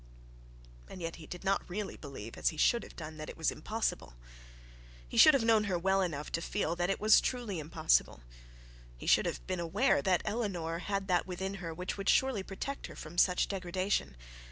And yet he did not really believe, as he should have done, that it was impossible. He should have known her well enough to feel that it was truly impossible. He should have been aware that Eleanor had that within her which would surely protect her from such degradation.